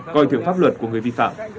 coi thường pháp luật của người vi phạm